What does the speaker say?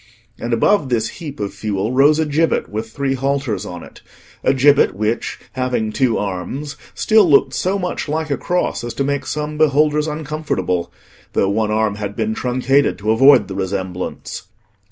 And above this heap of fuel rose a gibbet with three halters on it; a gibbet which, having two arms, still looked so much like a cross as to make some beholders uncomfortable, though one arm had been truncated to avoid the resemblance.